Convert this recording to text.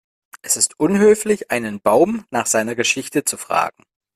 Es ist unhöflich, einen Baum nach seiner Geschichte zu fragen.